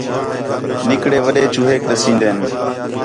نِکڑے وݙے چوہینک ݙسین٘دِن